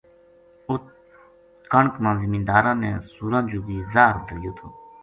اُت کنک ما زمیداراں نے سوراں جُگی زاہر دَھریو تھو